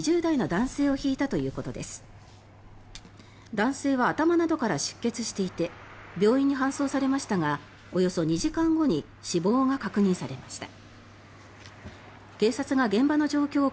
男性は頭などから出血していて病院に搬送されましたがおよそ２時間後に死亡が確認されました。